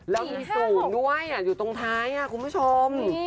แล้วมีสูงด้วยอยู่ตรงท้ายคุณผู้ชม